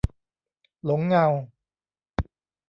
หลงเงา